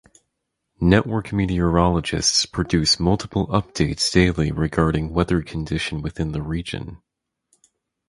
Network meteorologists produce multiple updates daily regarding weather condition within the region.